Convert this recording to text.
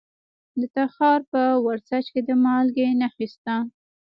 د تخار په ورسج کې د مالګې نښې شته.